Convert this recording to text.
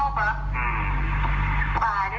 ทำไม